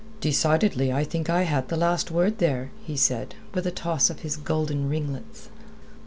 "Decidedly I think I had the last word there," he said, with a toss of his golden ringlets.